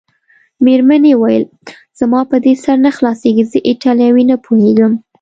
مېرمنې وویل: زما په دې سر نه خلاصیږي، زه ایټالوي نه پوهېږم.